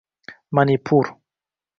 Manipur…